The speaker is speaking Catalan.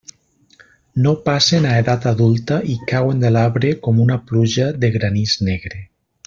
No passen a edat adulta i cauen de l'arbre com una pluja de granís negre.